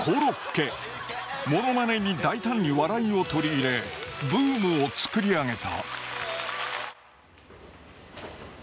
モノマネに大胆に笑いを取り入れブームを作り上げた。